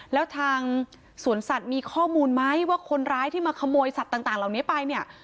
แล้วทางสวนสัตว์มีข้อมูลไหมว่าคนร้ายที่มาขโมยสัตว์ต่างเหล่านี้ไปเนี่ย